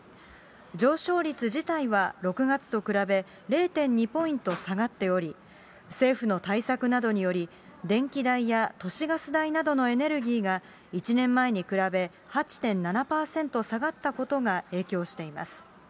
上昇率自体は６月と比べ０．２ポイント下がっており、政府対策などにより、電気代や都市ガス代などのエネルギーが、１年前に比べ８．７％下がったことが影響しています。